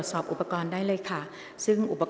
กรรมการท่านที่สี่ได้แก่กรรมการใหม่เลขเก้า